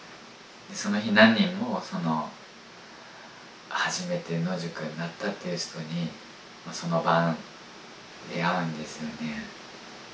その日何人も初めて野宿になったっていう人にその晩出会うんですよね。